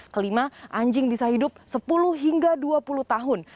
kelima anjing bisa hidup sepuluh hingga dua puluh tahun